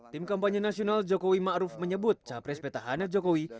tim kampanye nasional jokowi ma'ruf menyebut capres petahana jokowi